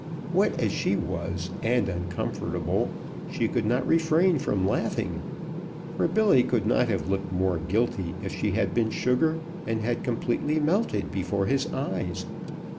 Wet as she was, and uncomfortable, she could not refrain from laughing, for Billy could not have looked more guilty if she had been sugar and had completely melted before his eyes.